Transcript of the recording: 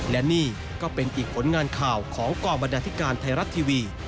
และนี่ก็เป็นอีกผลงานข่าวของกองบรรดาธิการไทยรัฐทีวี